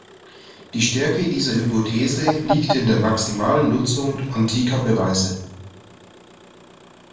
Die Stärke dieser Hypothese liegt in der maximalen Nutzung antiker Beweise.